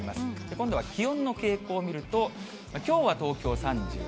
今度は気温の傾向を見ると、きょうは東京３３度。